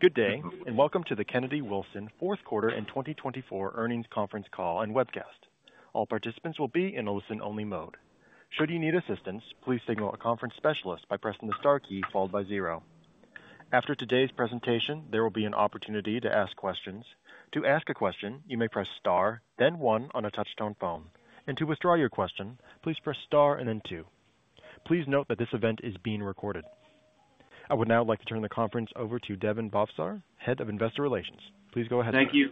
Good day, and welcome to the Kennedy Wilson Q4 2024 Earnings Conference Call and Webcast. All participants will be in a listen-only mode. Should you need assistance, please signal a conference specialist by pressing the star key followed by zero. After today's presentation, there will be an opportunity to ask questions. To ask a question, you may press star, then one on a touch-tone phone. And to withdraw your question, please press star and then two. Please note that this event is being recorded. I would now like to turn the conference over to Deven Bhavsar, Head of Investor Relations. Please go ahead. Thank you.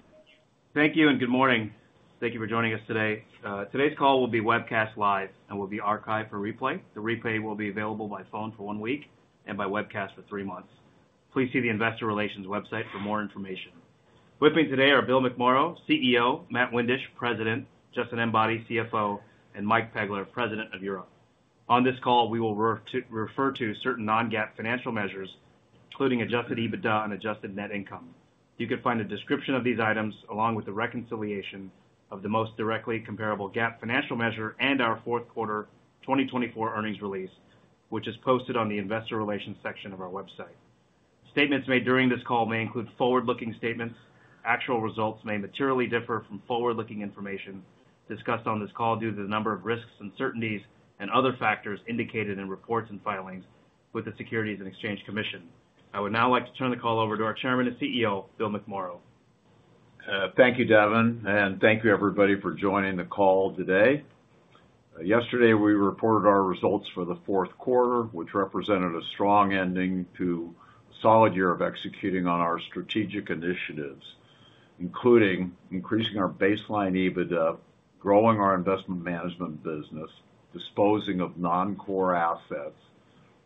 Thank you, and good morning. Thank you for joining us today. Today's call will be webcast live, and will be archived for replay. The replay will be available by phone for one week and by webcast for three months. Please see the Investor Relations website for more information. With me today are Bill McMorrow, CEO, Matt Windisch, President, Justin Enbody, CFO, and Mike Pegler, President of Europe. On this call, we will refer to certain non-GAAP financial measures, including adjusted EBITDA and adjusted net income. You can find a description of these items along with the reconciliation of the most directly comparable GAAP financial measure and our Q4 2024 earnings release, which is posted on the Investor Relations section of our website. Statements made during this call may include forward-looking statements. Actual results may materially differ from forward-looking information discussed on this call due to the number of risks, uncertainties, and other factors indicated in reports and filings with the Securities and Exchange Commission. I would now like to turn the call over to our Chairman and CEO, Bill McMorrow. Thank you, Deven, and thank you, everybody, for joining the call today. Yesterday, we reported our results for the Q4, which represented a strong ending to a solid year of executing on our strategic initiatives, including increasing our baseline EBITDA, growing our investment management business, disposing of non-core assets,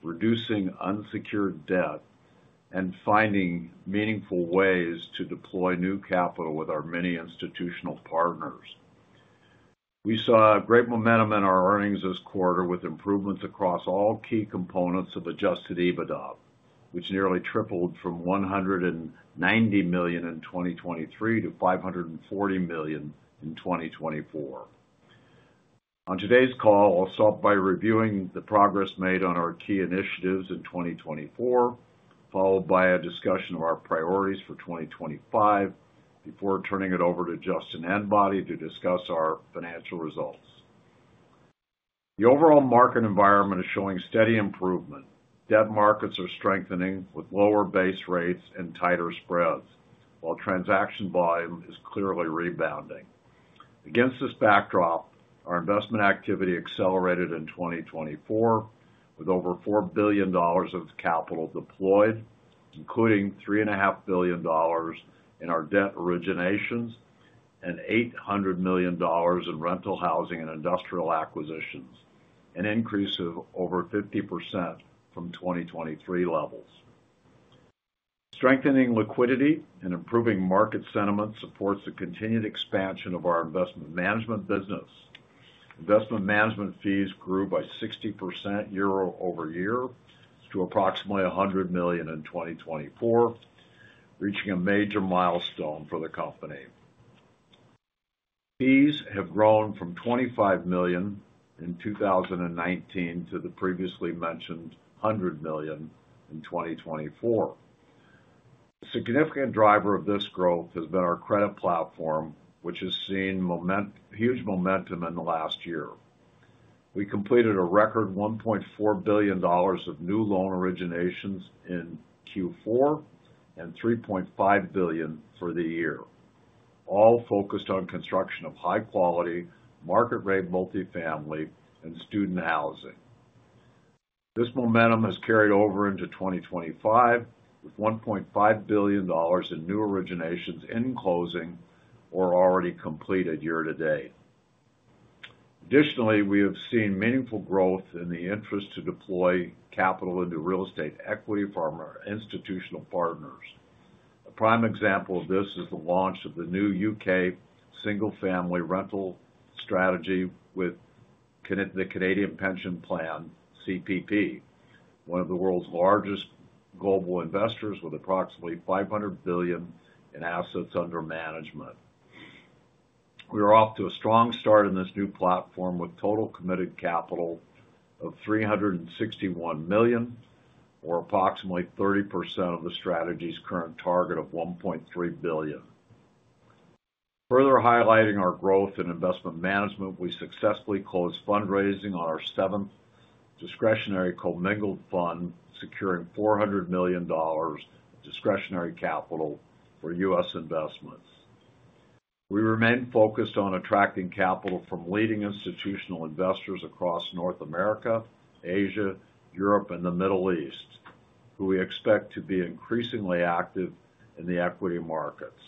reducing unsecured debt, and finding meaningful ways to deploy new capital with our many institutional partners. We saw great momentum in our earnings this quarter with improvements across all key components of adjusted EBITDA, which nearly tripled from $190 million in 2023 to $540 million in 2024. On today's call, I'll start by reviewing the progress made on our key initiatives in 2024, followed by a discussion of our priorities for 2025, before turning it over to Justin Enbody to discuss our financial results. The overall market environment is showing steady improvement. Debt markets are strengthening with lower base rates and tighter spreads, while transaction volume is clearly rebounding. Against this backdrop, our investment activity accelerated in 2024 with over $4 billion of capital deployed, including $3.5 billion in our debt originations and $800 million in rental housing and industrial acquisitions, an increase of over 50% from 2023 levels. Strengthening liquidity and improving market sentiment supports the continued expansion of our investment management business. Investment management fees grew by 60% year over year to approximately $100 million in 2024, reaching a major milestone for the company. Fees have grown from $25 million in 2019 to the previously mentioned $100 million in 2024. A significant driver of this growth has been our credit platform, which has seen huge momentum in the last year. We completed a record $1.4 billion of new loan originations in Q4 and $3.5 billion for the year, all focused on construction of high-quality, market-rate multifamily and student housing. This momentum has carried over into 2025, with $1.5 billion in new originations in closing or already completed year to date. Additionally, we have seen meaningful growth in the interest to deploy capital into real estate equity from our institutional partners. A prime example of this is the launch of the new UK single-family rental strategy with the Canadian Pension Plan (CPP) one of the world's largest global investors with approximately $500 billion in assets under management. We are off to a strong start in this new platform with total committed capital of $361 million, or approximately 30% of the strategy's current target of $1.3 billion. Further highlighting our growth in investment management, we successfully closed fundraising on our seventh discretionary commingled fund, securing $400 million of discretionary capital for U.S. investments. We remain focused on attracting capital from leading institutional investors across North America, Asia, Europe, and the Middle East, who we expect to be increasingly active in the equity markets.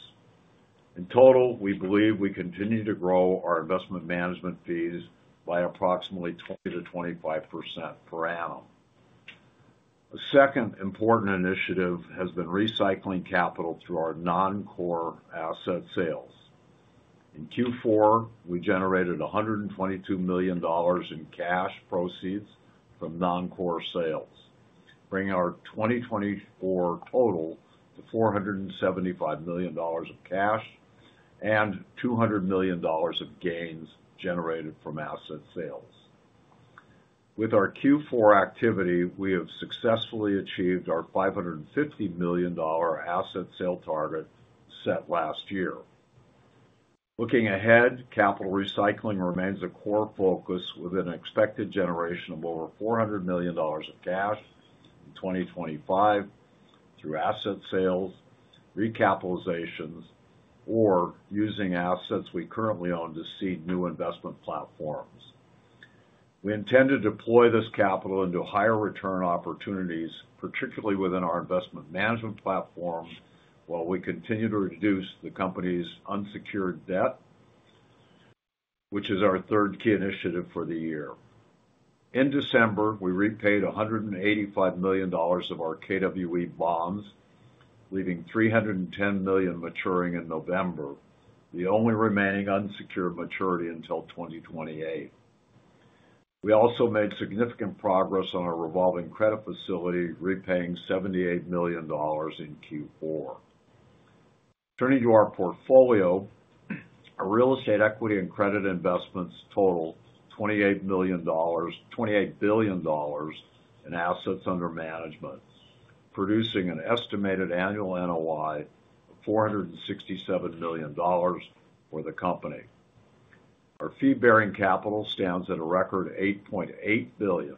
In total, we believe we continue to grow our investment management fees by approximately 20%-25% per annum. A second important initiative has been recycling capital through our non-core asset sales. In Q4, we generated $122 million in cash proceeds from non-core sales, bringing our 2024 total to $475 million of cash and $200 million of gains generated from asset sales. With our Q4 activity, we have successfully achieved our $550 million asset sale target set last year. Looking ahead, capital recycling remains a core focus with an expected generation of over $400 million of cash in 2025 through asset sales, recapitalizations, or using assets we currently own to seed new investment platforms. We intend to deploy this capital into higher return opportunities, particularly within our investment management platform, while we continue to reduce the company's unsecured debt, which is our third key initiative for the year. In December, we repaid $185 million of our KWE bonds, leaving $310 million maturing in November, the only remaining unsecured maturity until 2028. We also made significant progress on our revolving credit facility, repaying $78 million in Q4. Turning to our portfolio, our real estate equity and credit investments total $28 billion in assets under management, producing an estimated annual NOI of $467 million for the company. Our fee-bearing capital stands at a record $8.8 billion.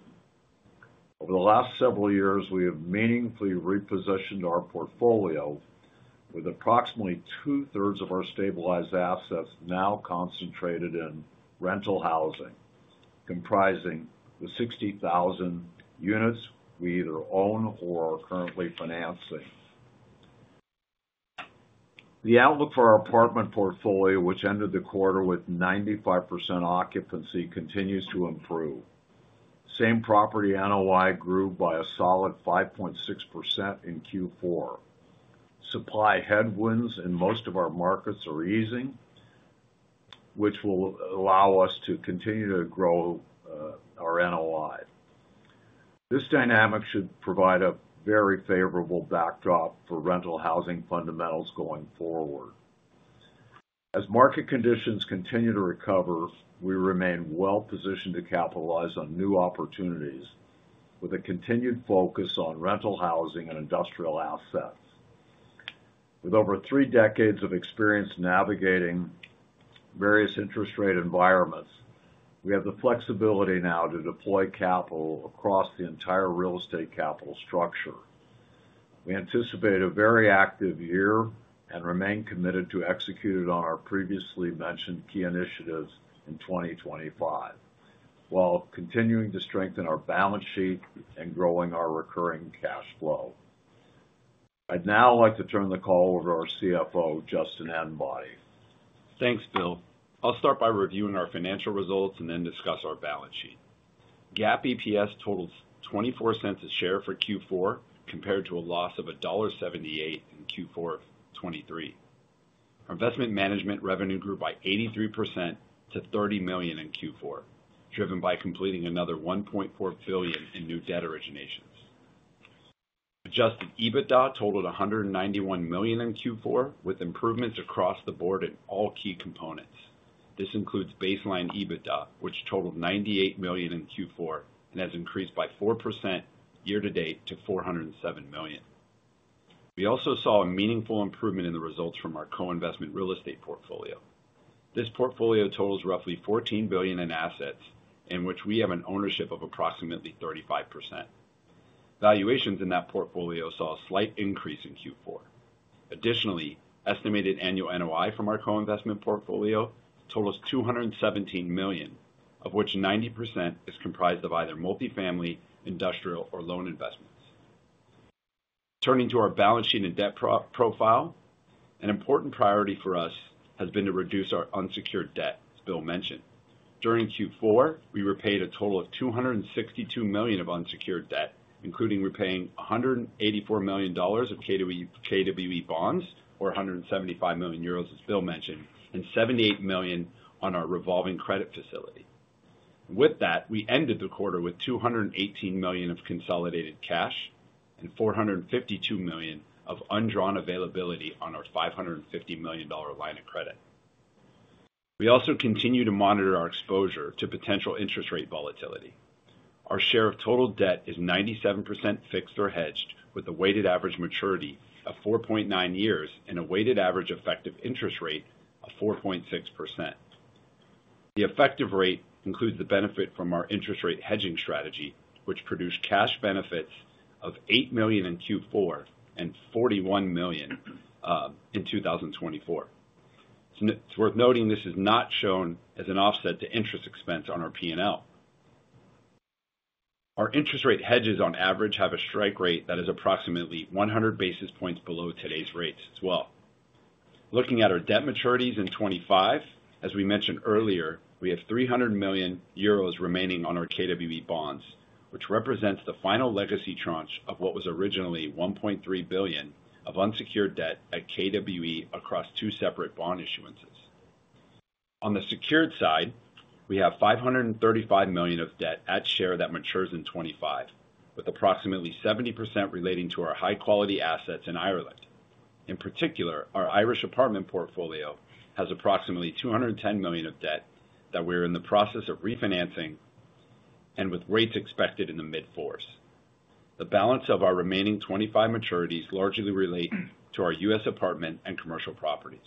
Over the last several years, we have meaningfully repositioned our portfolio, with approximately two-thirds of our stabilized assets now concentrated in rental housing, comprising the 60,000 units we either own or are currently financing. The outlook for our apartment portfolio, which ended the quarter with 95% occupancy, continues to improve. Same Property NOI grew by a solid 5.6% in Q4. Supply headwinds in most of our markets are easing, which will allow us to continue to grow our NOI. This dynamic should provide a very favorable backdrop for rental housing fundamentals going forward. As market conditions continue to recover, we remain well-positioned to capitalize on new opportunities with a continued focus on rental housing and industrial assets. With over three decades of experience navigating various interest rate environments, we have the flexibility now to deploy capital across the entire real estate capital structure. We anticipate a very active year and remain committed to executing on our previously mentioned key initiatives in 2025, while continuing to strengthen our balance sheet and growing our recurring cash flow. I'd now like to turn the call over to our CFO, Justin Enbody. Thanks, Bill. I'll start by reviewing our financial results and then discuss our balance sheet. GAAP EPS totals $0.24 a share for Q4, compared to a loss of $1.78 in Q4 of 2023. Our investment management revenue grew by 83% to $30 million in Q4, driven by completing another $1.4 billion in new debt originations. Adjusted EBITDA totaled $191 million in Q4, with improvements across the board in all key components. This includes baseline EBITDA, which totaled $98 million in Q4 and has increased by 4% year to date to $407 million. We also saw a meaningful improvement in the results from our co-investment real estate portfolio. This portfolio totals roughly $14 billion in assets, in which we have an ownership of approximately 35%. Valuations in that portfolio saw a slight increase in Q4. Additionally, estimated annual NOI from our co-investment portfolio totals $217 million, of which 90% is comprised of either multifamily, industrial, or loan investments. Turning to our balance sheet and debt profile, an important priority for us has been to reduce our unsecured debt, as Bill mentioned. During Q4, we repaid a total of $262 million of unsecured debt, including repaying $184 million of KWE bonds, or €175 million, as Bill mentioned, and $78 million on our revolving credit facility. With that, we ended the quarter with $218 million of consolidated cash and $452 million of undrawn availability on our $550 million line of credit. We also continue to monitor our exposure to potential interest rate volatility. Our share of total debt is 97% fixed or hedged, with a weighted average maturity of 4.9 years and a weighted average effective interest rate of 4.6%. The effective rate includes the benefit from our interest rate hedging strategy, which produced cash benefits of $8 million in Q4 and $41 million in 2024. It's worth noting this is not shown as an offset to interest expense on our P&L. Our interest rate hedges, on average, have a strike rate that is approximately 100 basis points below today's rates as well. Looking at our debt maturities in 2025, as we mentioned earlier, we have 300 million euros remaining on our KWE bonds, which represents the final legacy tranche of what was originally $1.3 billion of unsecured debt at KWE across two separate bond issuances. On the secured side, we have $535 million of debt at share that matures in 2025, with approximately 70% relating to our high-quality assets in Ireland. In particular, our Irish apartment portfolio has approximately $210 million of debt that we are in the process of refinancing, with rates expected in the mid-fours. The balance of our remaining 25 maturities largely relate to our U.S. apartment and commercial properties.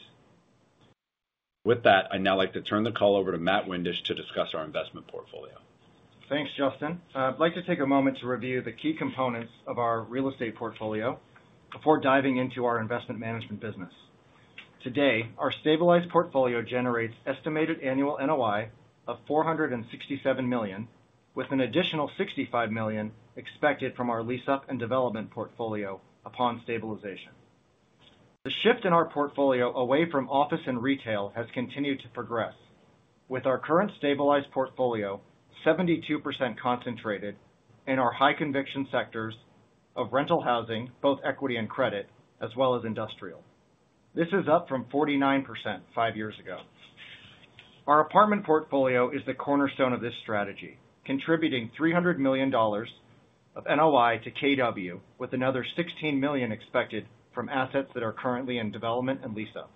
With that, I'd now like to turn the call over to Matt Windisch to discuss our investment portfolio. Thanks, Justin. I'd like to take a moment to review the key components of our real estate portfolio before diving into our investment management business. Today, our stabilized portfolio generates estimated annual NOI of $467 million, with an additional $65 million expected from our lease-up and development portfolio upon stabilization. The shift in our portfolio away from office and retail has continued to progress, with our current stabilized portfolio 72% concentrated in our high-conviction sectors of rental housing, both equity and credit, as well as industrial. This is up from 49% five years ago. Our apartment portfolio is the cornerstone of this strategy, contributing $300 million of NOI to KW, with another $16 million expected from assets that are currently in development and lease-up.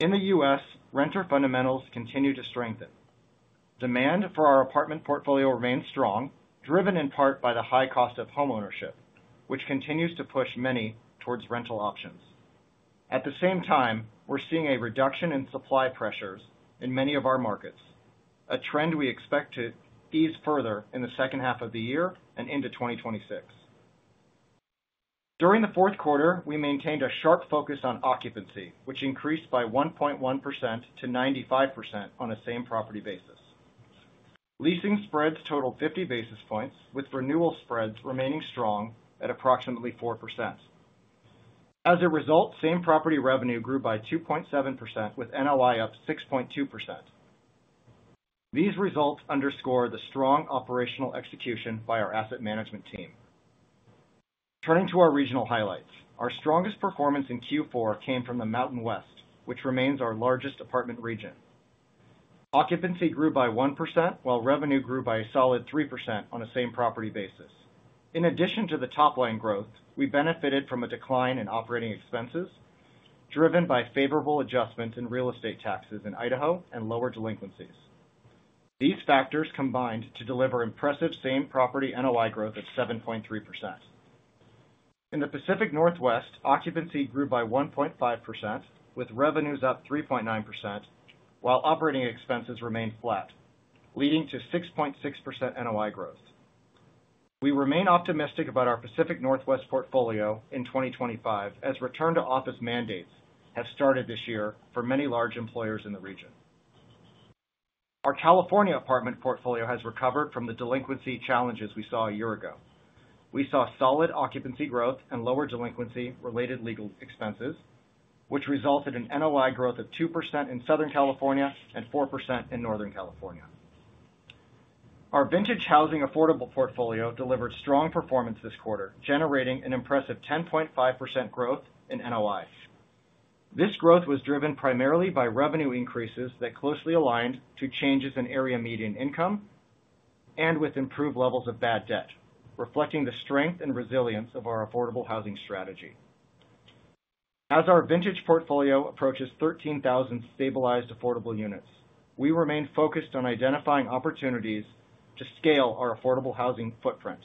In the U.S., renter fundamentals continue to strengthen. Demand for our apartment portfolio remains strong, driven in part by the high cost of homeownership, which continues to push many towards rental options. At the same time, we're seeing a reduction in supply pressures in many of our markets, a trend we expect to ease further in the second half of the year and into 2026. During the Q4, we maintained a sharp focus on occupancy, which increased by 1.1% to 95% on a same-property basis. Leasing spreads totaled 50 basis points, with renewal spreads remaining strong at approximately 4%. As a result, same-property revenue grew by 2.7%, with NOI up 6.2%. These results underscore the strong operational execution by our asset management team. Turning to our regional highlights, our strongest performance in Q4 came from the Mountain West, which remains our largest apartment region. Occupancy grew by 1%, while revenue grew by a solid 3% on a same-property basis. In addition to the top-line growth, we benefited from a decline in operating expenses, driven by favorable adjustments in real estate taxes in Idaho and lower delinquencies. These factors combined to deliver impressive same-property NOI growth of 7.3%. In the Pacific Northwest, occupancy grew by 1.5%, with revenues up 3.9%, while operating expenses remained flat, leading to 6.6% NOI growth. We remain optimistic about our Pacific Northwest portfolio in 2025, as return-to-office mandates have started this year for many large employers in the region. Our California apartment portfolio has recovered from the delinquency challenges we saw a year ago. We saw solid occupancy growth and lower delinquency-related legal expenses, which resulted in NOI growth of 2% in Southern California and 4% in Northern California. Our Vintage Housing affordable portfolio delivered strong performance this quarter, generating an impressive 10.5% growth in NOI. This growth was driven primarily by revenue increases that closely aligned to changes in area median income and with improved levels of bad debt, reflecting the strength and resilience of our affordable housing strategy. As our Vintage Housing portfolio approaches 13,000 stabilized affordable units, we remain focused on identifying opportunities to scale our affordable housing footprint,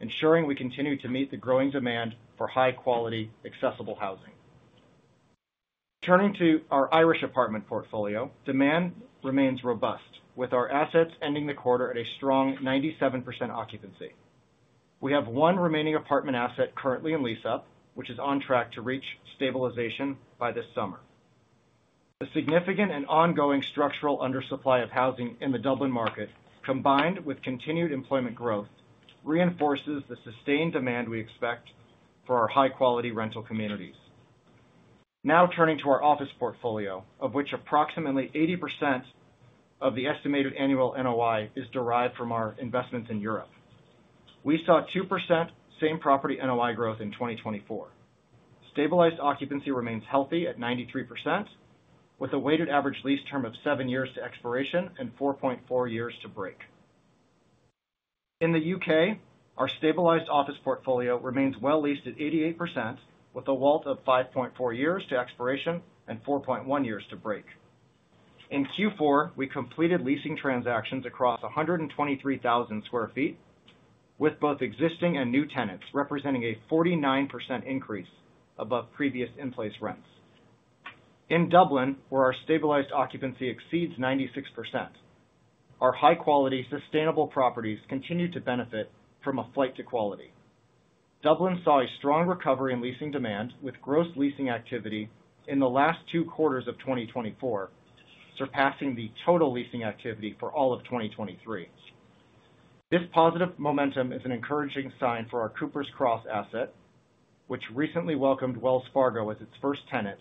ensuring we continue to meet the growing demand for high-quality, accessible housing. Turning to our Irish apartment portfolio, demand remains robust, with our assets ending the quarter at a strong 97% occupancy. We have one remaining apartment asset currently in lease-up, which is on track to reach stabilization by this summer. The significant and ongoing structural undersupply of housing in the Dublin market, combined with continued employment growth, reinforces the sustained demand we expect for our high-quality rental communities. Now turning to our office portfolio, of which approximately 80% of the estimated annual NOI is derived from our investments in Europe. We saw 2% Same-Property NOI growth in 2024. Stabilized occupancy remains healthy at 93%, with a weighted average lease term of seven years to expiration and 4.4 years to break. In the U.K., our stabilized office portfolio remains well-leased at 88%, with a WALT of 5.4 years to expiration and 4.1 years to break. In Q4, we completed leasing transactions across 123,000 sq ft, with both existing and new tenants representing a 49% increase above previous in-place rents. In Dublin, where our stabilized occupancy exceeds 96%, our high-quality, sustainable properties continue to benefit from a flight to quality. Dublin saw a strong recovery in leasing demand, with gross leasing activity in the last two quarters of 2024 surpassing the total leasing activity for all of 2023. This positive momentum is an encouraging sign for our Coopers Cross asset, which recently welcomed Wells Fargo as its first tenant,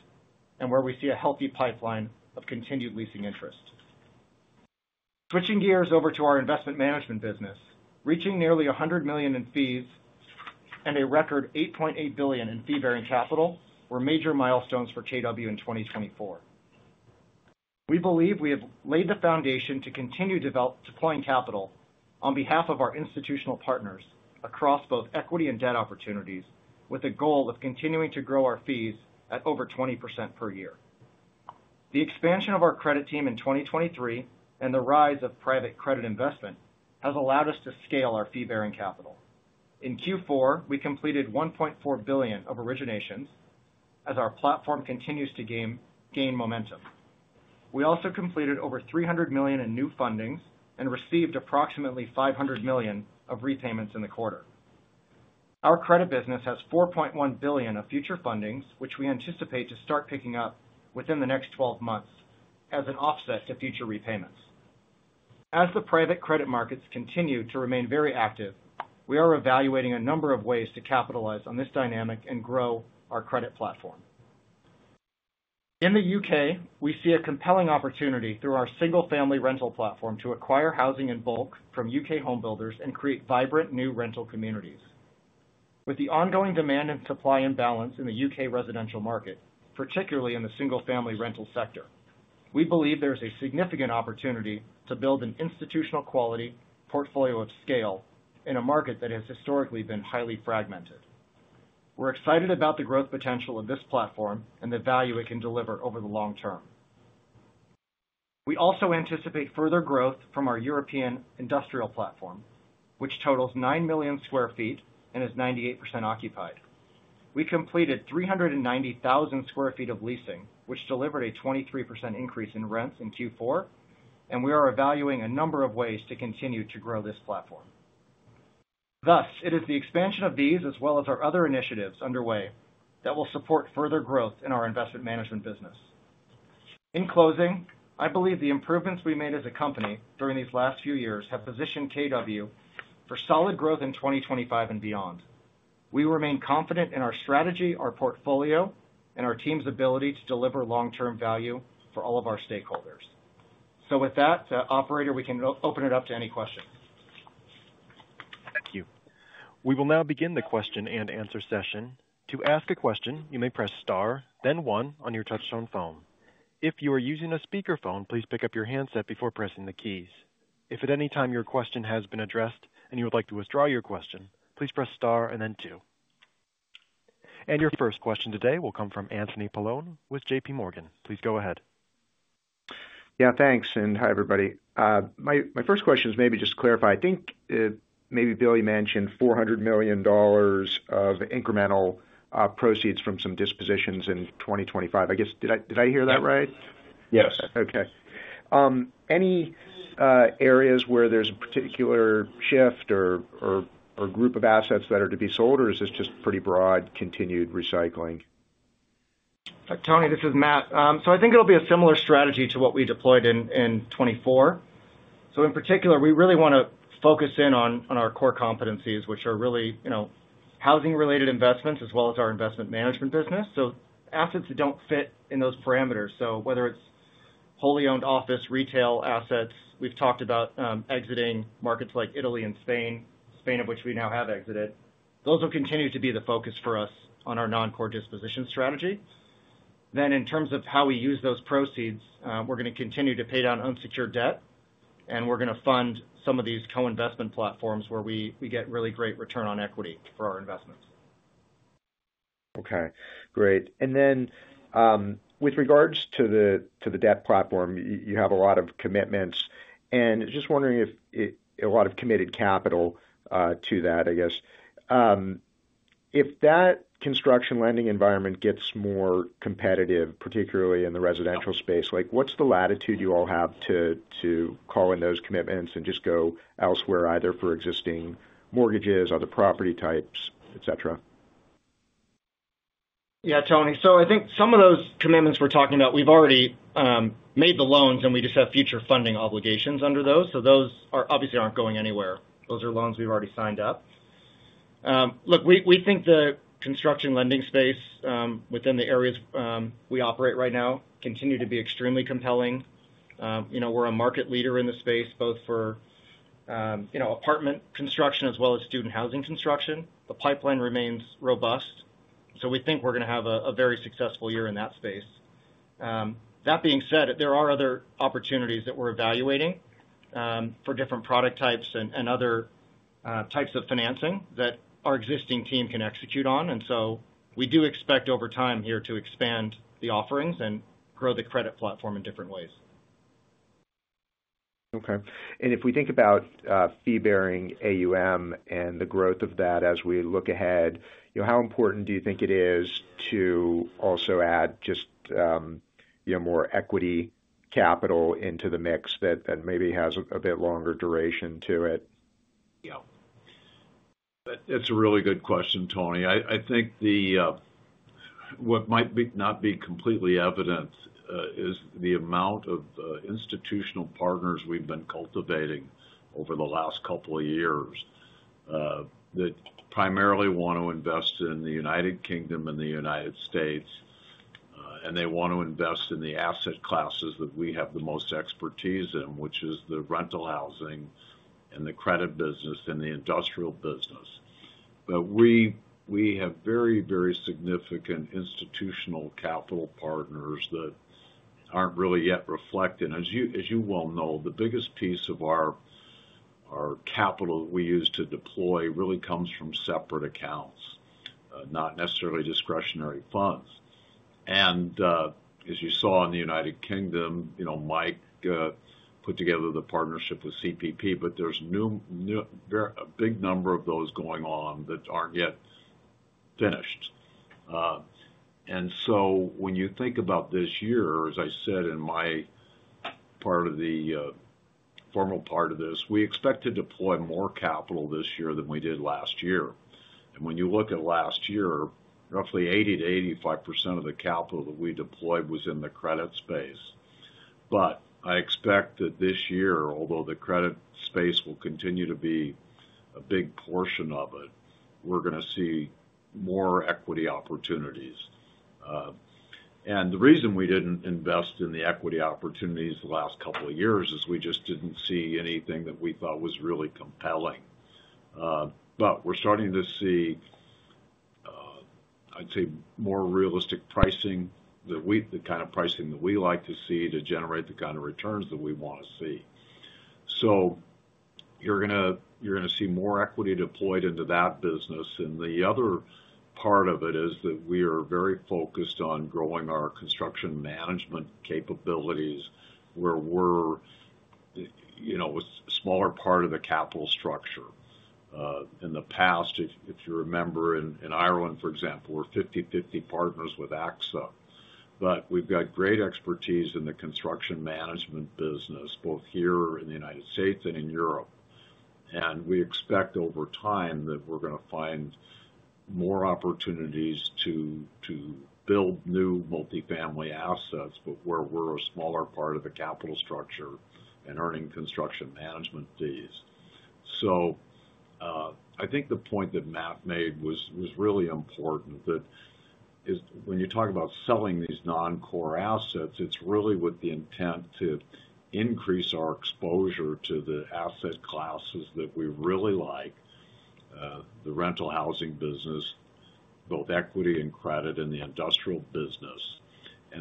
and where we see a healthy pipeline of continued leasing interest. Switching gears over to our investment management business, reaching nearly $100 million in fees and a record $8.8 billion in fee-bearing capital were major milestones for KW in 2024. We believe we have laid the foundation to continue deploying capital on behalf of our institutional partners across both equity and debt opportunities, with a goal of continuing to grow our fees at over 20% per year. The expansion of our credit team in 2023 and the rise of private credit investment has allowed us to scale our fee-bearing capital. In Q4, we completed $1.4 billion of originations as our platform continues to gain momentum. We also completed over $300 million in new fundings and received approximately $500 million of repayments in the quarter. Our credit business has $4.1 billion of future fundings, which we anticipate to start picking up within the next 12 months as an offset to future repayments. As the private credit markets continue to remain very active, we are evaluating a number of ways to capitalize on this dynamic and grow our credit platform. In the UK, we see a compelling opportunity through our single-family rental platform to acquire housing in bulk from UK homebuilders and create vibrant new rental communities. With the ongoing demand and supply imbalance in the UK residential market, particularly in the single-family rental sector, we believe there is a significant opportunity to build an institutional-quality portfolio of scale in a market that has historically been highly fragmented. We're excited about the growth potential of this platform and the value it can deliver over the long term. We also anticipate further growth from our European industrial platform, which totals 9 million square feet and is 98% occupied. We completed 390,000 sq ft of leasing, which delivered a 23% increase in rents in Q4, and we are evaluating a number of ways to continue to grow this platform. Thus, it is the expansion of these, as well as our other initiatives underway, that will support further growth in our investment management business. In closing, I believe the improvements we made as a company during these last few years have positioned KW for solid growth in 2025 and beyond. We remain confident in our strategy, our portfolio, and our team's ability to deliver long-term value for all of our stakeholders. So with that, Operator, we can open it up to any questions. Thank you. We will now begin the Q&A session. To ask a question, you may press Star, then one on your touch-tone phone. If you are using a speakerphone, please pick up your handset before pressing the keys. If at any time your question has been addressed and you would like to withdraw your question, please press star and then two. Your first question today will come from Anthony Paolone with JPMorgan. Please go ahead. Yeah, thanks. And hi, everybody. My first question is maybe just to clarify. Maybe Billy mentioned $400 million of incremental proceeds from some dispositions in 2025. I guess, did I hear that right? Yes. Okay. Any areas where there's a particular shift or group of assets that are to be sold, or is this just pretty broad continued recycling? Tony, this is Matt. So it'll be a similar strategy to what we deployed in 2024. So in particular, we really want to focus in on our core competencies, which are really housing-related investments as well as our investment management business, so assets that don't fit in those parameters, so whether it's wholly owned office, retail assets, we've talked about exiting markets like Italy and Spain, of which we now have exited. Those will continue to be the focus for us on our non-core disposition strategy. Then in terms of how we use those proceeds, we're going to continue to pay down unsecured debt, and we're going to fund some of these co-investment platforms where we get really great return on equity for our investments. Okay. Great. And then with regards to the debt platform, you have a lot of commitments. And just wondering if a lot of committed capital to that, I guess. If that construction lending environment gets more competitive, particularly in the residential space, what's the latitude you all have to call in those commitments and just go elsewhere, either for existing mortgages, other property types, etc.? Yeah, Tony. So some of those commitments we're talking about, we've already made the loans, and we just have future funding obligations under those. So those obviously aren't going anywhere. Those are loans we've already signed up. Look, we think the construction lending space within the areas we operate right now continues to be extremely compelling. We're a market leader in the space, both for apartment construction as well as student housing construction. The pipeline remains robust. So we think we're going to have a very successful year in that space. That being said, there are other opportunities that we're evaluating for different product types and other types of financing that our existing team can execute on. And so we do expect over time here to expand the offerings and grow the credit platform in different ways. Okay. And if we think about fee-bearing AUM and the growth of that as we look ahead, how important do you think it is to also add just more equity capital into the mix that maybe has a bit longer duration to it? Yeah. That's a really good question, Tony. What might not be completely evident is the amount of institutional partners we've been cultivating over the last couple of years that primarily want to invest in the United Kingdom and the United States. And they want to invest in the asset classes that we have the most expertise in, which is the rental housing and the credit business and the industrial business. But we have very, very significant institutional capital partners that aren't really yet reflected. As you well know, the biggest piece of our capital that we use to deploy really comes from separate accounts, not necessarily discretionary funds. And as you saw in the United Kingdom, Mike put together the partnership with CPP, but there's a big number of those going on that aren't yet finished. And so when you think about this year, as I said in my part of the formal part of this, we expect to deploy more capital this year than we did last year. And when you look at last year, roughly 80%-85% of the capital that we deployed was in the credit space. But I expect that this year, although the credit space will continue to be a big portion of it, we're going to see more equity opportunities. And the reason we didn't invest in the equity opportunities the last couple of years is we just didn't see anything that we thought was really compelling. But we're starting to see, I'd say, more realistic pricing, the kind of pricing that we like to see to generate the kind of returns that we want to see. So you're going to see more equity deployed into that business. And the other part of it is that we are very focused on growing our construction management capabilities where we're a smaller part of the capital structure. In the past, if you remember, in Ireland, for example, we're 50/50 partners with AXA. But we've got great expertise in the construction management business, both here in the United States and in Europe. And we expect over time that we're going to find more opportunities to build new multifamily assets, but where we're a smaller part of the capital structure and earning construction management fees. So the point that Matt made was really important that when you talk about selling these non-core assets, it's really with the intent to increase our exposure to the asset classes that we really like, the rental housing business, both equity and credit, and the industrial business.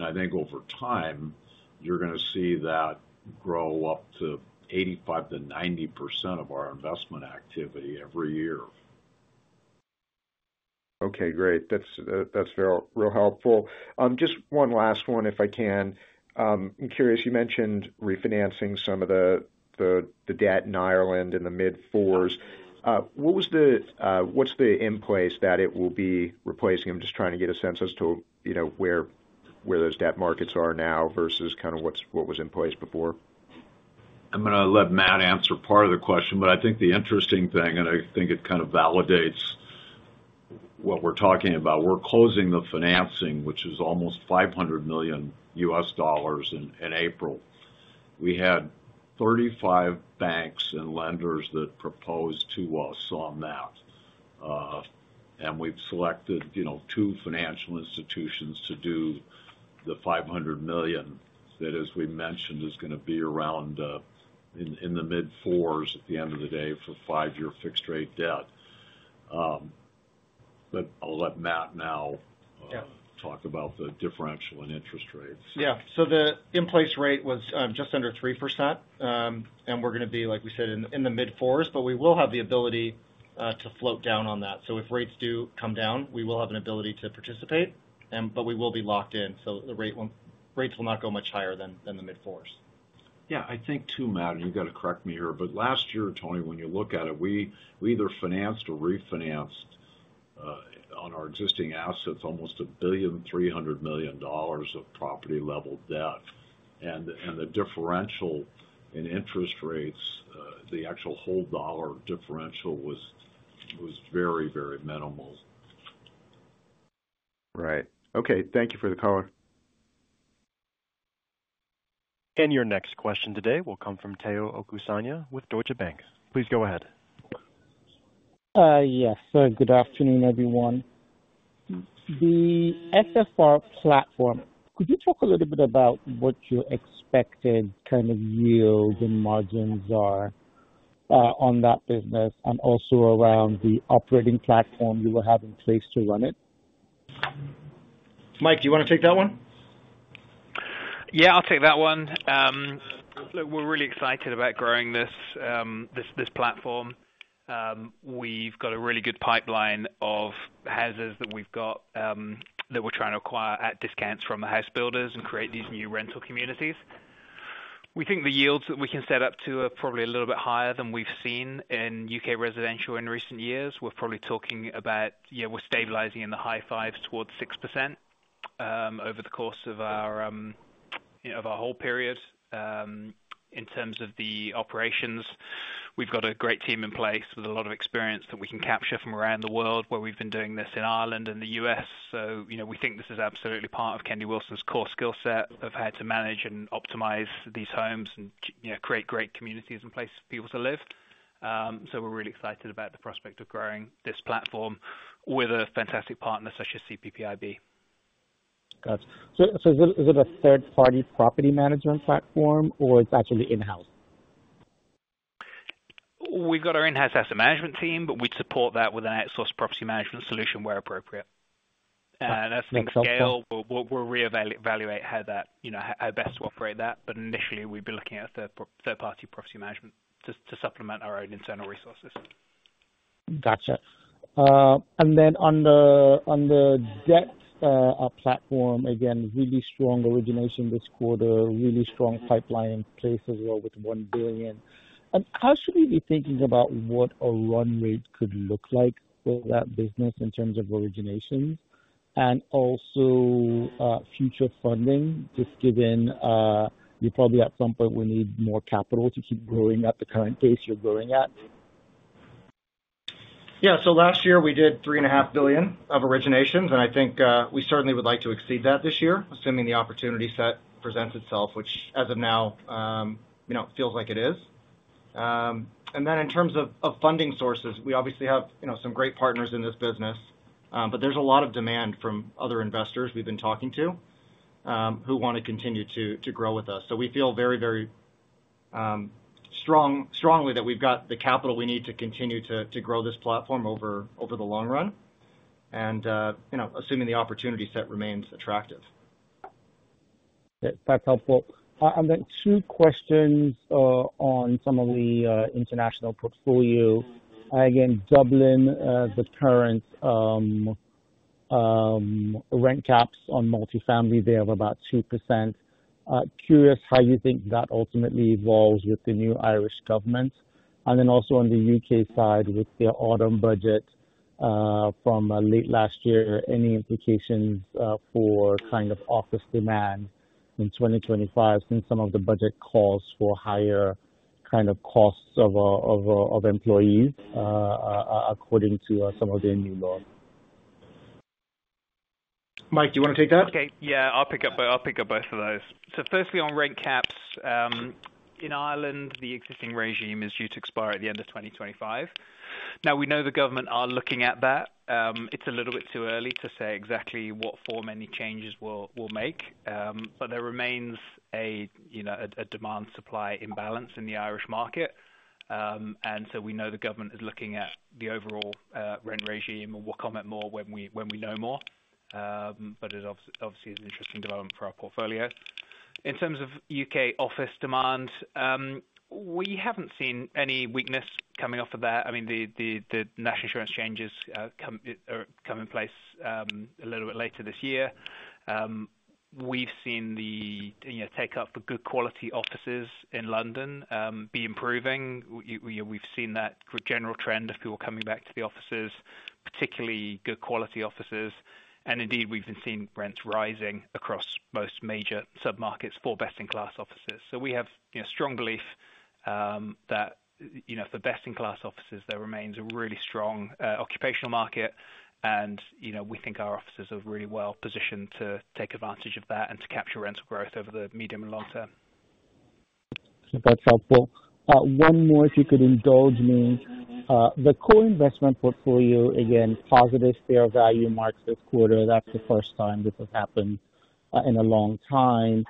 I think over time, you're going to see that grow up to 85%-90% of our investment activity every year. Okay. Great. That's real helpful. Just one last one, if I can. I'm curious. You mentioned refinancing some of the debt in Ireland in the mid-4s. What's the in place that it will be replacing? I'm just trying to get a sense as to where those debt markets are now versus kind of what was in place before. I'm going to let Matt answer part of the question, but the interesting thing, and it kind of validates what we're talking about, we're closing the financing, which is almost $500 million in April. We had 35 banks and lenders that proposed to us on that. And we've selected two financial institutions to do the $500 million that, as we mentioned, is going to be around in the mid-4s at the end of the day for five-year fixed-rate debt. But I'll let Matt now talk about the differential in interest rates. Yeah. So the in place rate was just under 3%. And we're going to be, like we said, in the mid-4s, but we will have the ability to float down on that. So if rates do come down, we will have an ability to participate, but we will be locked in. So the rates will not go much higher than the mid-4s. Yeah. I think too, Matt, and you've got to correct me here, but last year, Tony, when you look at it, we either financed or refinanced on our existing assets almost $1,300 million of property-level debt. And the differential in interest rates, the actual whole dollar differential was very, very minimal. Right. Okay. Thank you for the call. Your next question today will come from Teo Okusanya with Deutsche Bank. Please go ahead. Yes. Good afternoon, everyone. The SFR platform, could you talk a little bit about what your expected kind of yield and margins are on that business and also around the operating platform you will have in place to run it? Mike, do you want to take that one? Yeah, I'll take that one. Look, we're really excited about growing this platform. We've got a really good pipeline of houses that we've got that we're trying to acquire at discounts from the house builders and create these new rental communities. We think the yields that we can set up to are probably a little bit higher than we've seen in UK residential in recent years. We're probably talking about, yeah, we're stabilizing in the high fives towards 6% over the course of our whole period. In terms of the operations, we've got a great team in place with a lot of experience that we can capture from around the world where we've been doing this in Ireland and the US. So we think this is absolutely part of Kennedy Wilson's core skill set of how to manage and optimize these homes and create great communities and places for people to live. So we're really excited about the prospect of growing this platform with a fantastic partner such as CPPIB. Gotcha. So is it a third-party property management platform or it's actually in-house? We've got our in-house asset management team, but we'd support that with an outsourced property management solution where appropriate. That's the scale. We'll reevaluate how best to operate that. But initially, we'd be looking at a third-party property management to supplement our own internal resources. Gotcha. And then on the debt platform, again, really strong origination this quarter, really strong pipeline in place as well with $1 billion. And how should we be thinking about what a run rate could look like for that business in terms of originations and also future funding, just given you probably at some point will need more capital to keep growing at the current pace you're growing at? Yeah. So last year, we did $3.5 billion of originations. We certainly would like to exceed that this year, assuming the opportunity set presents itself, which as of now, feels like it is. And then in terms of funding sources, we obviously have some great partners in this business, but there's a lot of demand from other investors we've been talking to who want to continue to grow with us. So we feel very, very strongly that we've got the capital we need to continue to grow this platform over the long run, assuming the opportunity set remains attractive. That's helpful. And then two questions on some of the international portfolio. Again, Dublin, the current rent caps on multifamily, they have about 2%. Curious how you think that ultimately evolves with the new Irish government. And then also on the UK side, with the autumn budget from late last year, any implications for kind of office demand in 2025 since some of the budget calls for higher kind of costs of employees according to some of the new laws? Mike, do you want to take that? Okay. Yeah. I'll pick up both of those. So firstly, on rent caps, in Ireland, the existing regime is due to expire at the end of 2025. Now, we know the government are looking at that. It's a little bit too early to say exactly what form any changes will make. But there remains a demand-supply imbalance in the Irish market. And so we know the government is looking at the overall rent regime and will comment more when we know more. But it obviously is an interesting development for our portfolio. In terms of UK office demand, we haven't seen any weakness coming off of that. The national insurance changes come in place a little bit later this year. We've seen the take-up for good quality offices in London be improving. We've seen that general trend of people coming back to the offices, particularly good quality offices. And indeed, we've been seeing rents rising across most major sub-markets for best-in-class offices. So we have strong belief that for best-in-class offices, there remains a really strong occupational market. And we think our offices are really well positioned to take advantage of that and to capture rental growth over the medium and long term. That's helpful. One more, if you could indulge me. The core investment portfolio, again, positive fair value marks this quarter. That's the first time this has happened in a long time.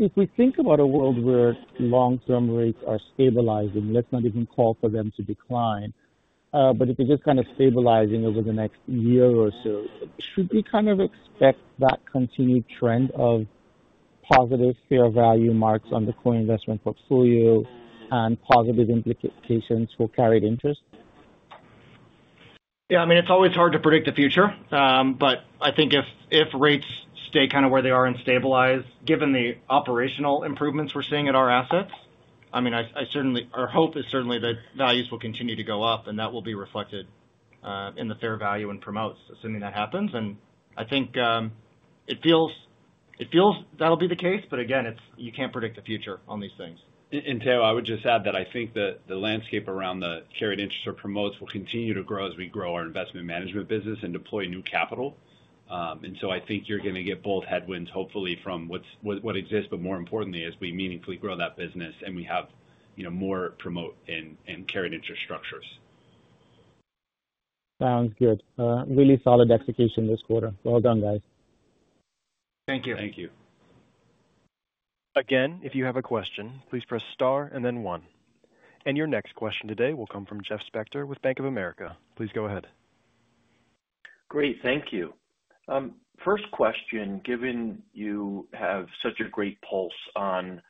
If we think about a world where long-term rates are stabilizing, let's not even call for them to decline, but if they're just kind of stabilizing over the next year or so, should we kind of expect that continued trend of positive fair value marks on the core investment portfolio and positive implications for carried interest? Yeah. It's always hard to predict the future. But if rates stay kind of where they are and stabilize, given the operational improvements we're seeing at our assets, our hope is certainly that values will continue to go up, and that will be reflected in the fair value and promotes, assuming that happens. It feels that'll be the case. But again, you can't predict the future on these things. And Teo, I would just add that the landscape around the carried interest or promotes will continue to grow as we grow our investment management business and deploy new capital. You're going to get both headwinds, hopefully, from what exists, but more importantly, as we meaningfully grow that business and we have more promote and carried interest structures. Sounds good. Really solid execution this quarter. Well done, guys. Thank you. Thank you. Again, if you have a question, please press star and then one. And your next question today will come from Jeff Spector with Bank of America. Please go ahead. Great. Thank you. First question, given you have such a great pulse on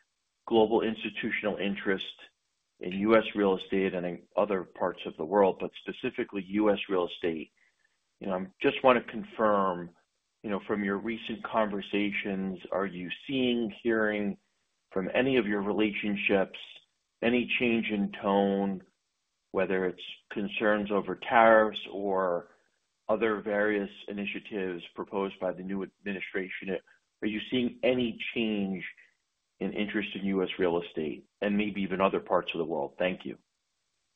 global institutional interest in U.S. real estate and in other parts of the world, but specifically U.S. real estate, I just want to confirm, from your recent conversations, are you seeing, hearing from any of your relationships, any change in tone, whether it's concerns over tariffs or other various initiatives proposed by the new administration? Are you seeing any change in interest in U.S. real estate and maybe even other parts of the world? Thank you.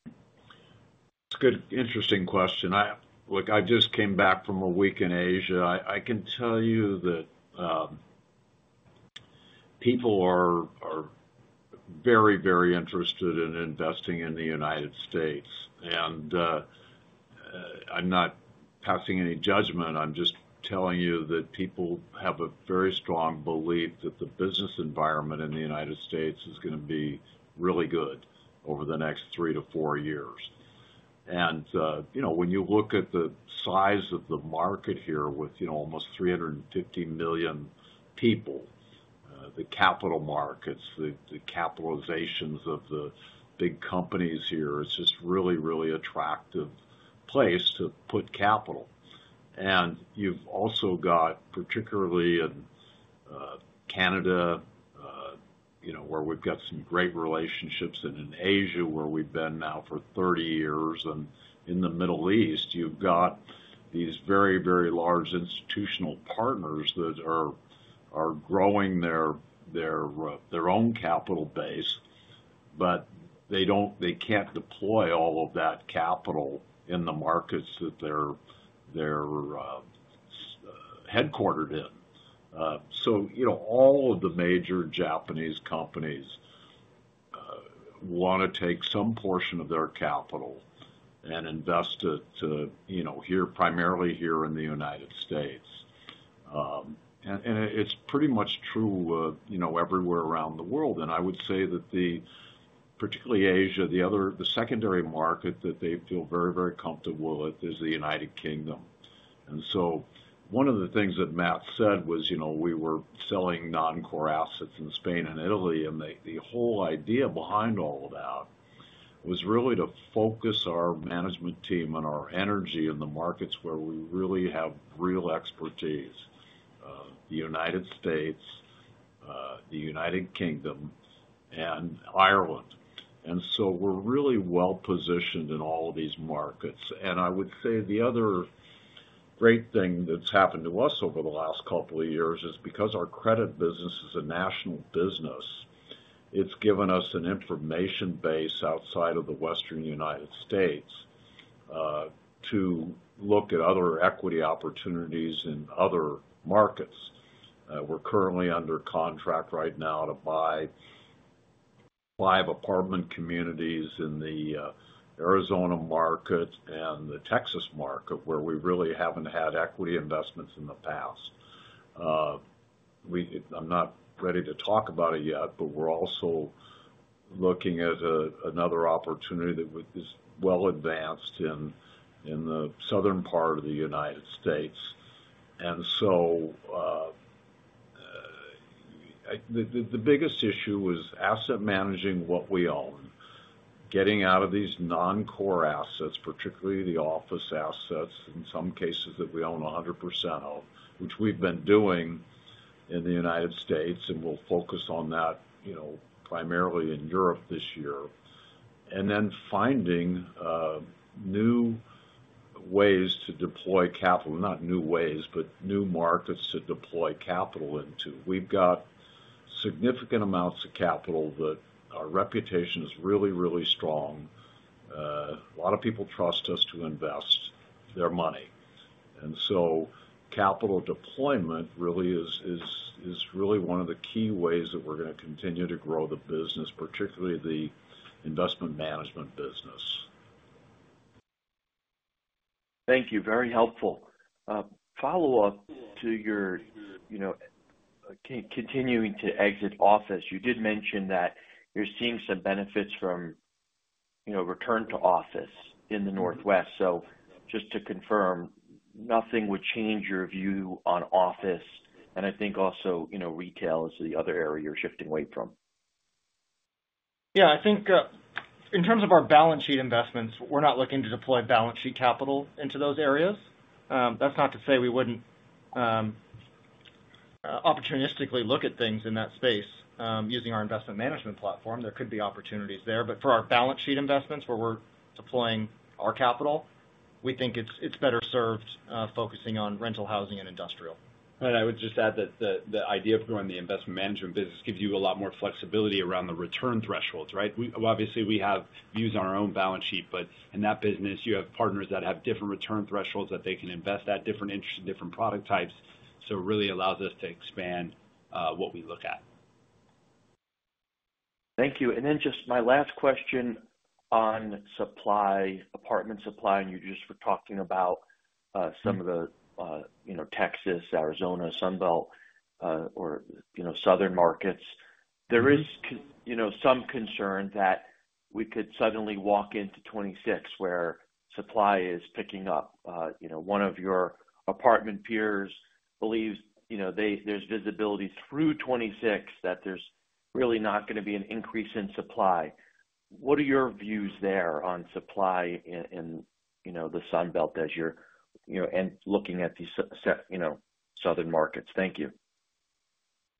That's a good, interesting question. I just came back from a week in Asia. I can tell you that people are very, very interested in investing in the United States. And I'm not passing any judgment. I'm just telling you that people have a very strong belief that the business environment in the United States is going to be really good over the next three to four years. And when you look at the size of the market here with almost 350 million people, the capital markets, the capitalizations of the big companies here, it's just really, really attractive place to put capital. And you've also got, particularly in Canada, where we've got some great relationships, and in Asia, where we've been now for 30 years, and in the Middle East, you've got these very, very large institutional partners that are growing their own capital base, but they can't deploy all of that capital in the markets that they're headquartered in. So all of the major Japanese companies want to take some portion of their capital and invest it primarily here in the United States. And it's pretty much true everywhere around the world. And I would say that particularly Asia, the secondary market that they feel very, very comfortable with is the United Kingdom. And so one of the things that Matt said was we were selling non-core assets in Spain and Italy. And the whole idea behind all of that was really to focus our management team and our energy in the markets where we really have real expertise: the United States, the United Kingdom, and Ireland. And so we're really well positioned in all of these markets. And I would say the other great thing that's happened to us over the last couple of years is because our credit business is a national business, it's given us an information base outside of the Western United States to look at other equity opportunities in other markets. We're currently under contract right now to buy five apartment communities in the Arizona market and the Texas market where we really haven't had equity investments in the past. I'm not ready to talk about it yet, but we're also looking at another opportunity that is well advanced in the southern part of the United States, and so the biggest issue was asset managing what we own, getting out of these non-core assets, particularly the office assets, in some cases that we own 100% of, which we've been doing in the United States, and we'll focus on that primarily in Europe this year, and then finding new ways to deploy capital, not new ways, but new markets to deploy capital into. We've got significant amounts of capital that our reputation is really, really strong. A lot of people trust us to invest their money. Capital deployment really is one of the key ways that we're going to continue to grow the business, particularly the investment management business. Thank you. Very helpful. Follow-up to your continuing to exit office. You did mention that you're seeing some benefits from return to office in the Northwest. Just to confirm, nothing would change your view on office. I think also retail is the other area you're shifting away from. Yeah. In terms of our balance sheet investments, we're not looking to deploy balance sheet capital into those areas. That's not to say we wouldn't opportunistically look at things in that space using our investment management platform. There could be opportunities there. But for our balance sheet investments where we're deploying our capital, we think it's better served focusing on rental, housing, and industrial. I would just add that the idea of growing the investment management business gives you a lot more flexibility around the return thresholds, right? Obviously, we have views on our own balance sheet, but in that business, you have partners that have different return thresholds that they can invest at, different interests, different product types. So it really allows us to expand what we look at. Thank you. And then just my last question on supply, apartment supply, and you just were talking about some of the Texas, Arizona, Sunbelt, or southern markets. There is some concern that we could suddenly walk into 2026 where supply is picking up. One of your apartment peers believes there's visibility through 2026 that there's really not going to be an increase in supply. What are your views there on supply in the Sunbelt as you're looking at these southern markets? Thank you.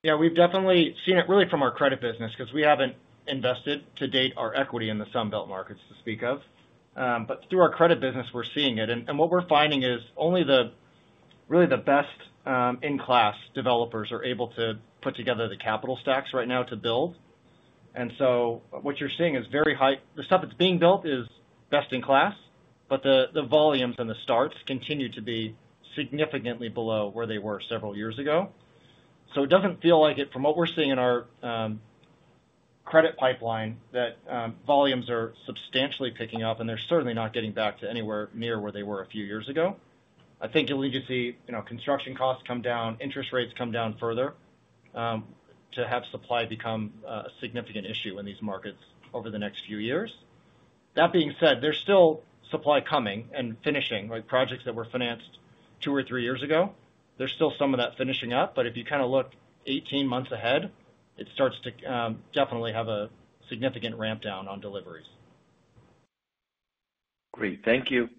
Yeah. We've definitely seen it really from our credit business because we haven't invested to date our equity in the Sunbelt markets to speak of. But through our credit business, we're seeing it. And what we're finding is only really the best-in-class developers are able to put together the capital stacks right now to build. And so what you're seeing is very high. The stuff that's being built is best-in-class, but the volumes and the starts continue to be significantly below where they were several years ago. So it doesn't feel like it, from what we're seeing in our credit pipeline, that volumes are substantially picking up, and they're certainly not getting back to anywhere near where they were a few years ago. I think you'll need to see construction costs come down, interest rates come down further to have supply become a significant issue in these markets over the next few years. That being said, there's still supply coming and finishing, like projects that were financed two or three years ago. There's still some of that finishing up. But if you kind of look 18 months ahead, it starts to definitely have a significant ramp down on deliveries. Great. Thank you.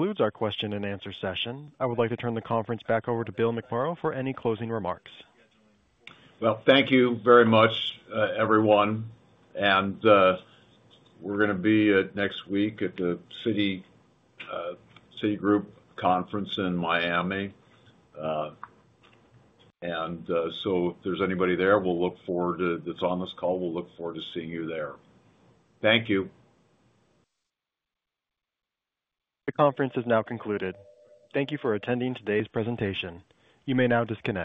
This concludes our Q&A session. I would like to turn the conference back over to Bill McMorrow for any closing remarks. Thank you very much, everyone. We're going to be next week at the Citigroup Conference in Miami. If there's anybody there, we'll look forward to that. That's on this call, we'll look forward to seeing you there. Thank you. The conference is now concluded. Thank you for attending today's presentation. You may now disconnect.